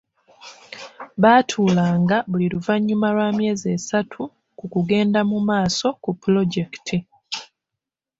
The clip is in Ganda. Baatuulanga buli luvannyuma lwa myezi esatu ku kugenda mu maaso ku pulojekiti.